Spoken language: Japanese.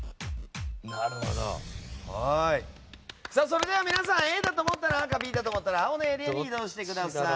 それでは皆さんＡだと思ったら赤Ｂだと思ったら青のエリアに移動してください。